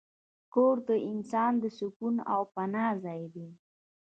کور د انسان د سکون او پناه ځای دی.